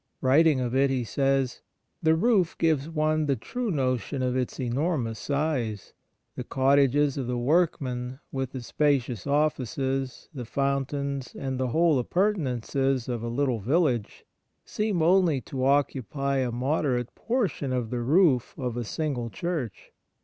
Writing of it, he says :' The roof gives one the true notion of its enormous size ; the cottages of the workmen, with the spacious offices, the fountains, and the whole appurtenances of a little village, seem only to occupy a moderate portion of the roof of a single church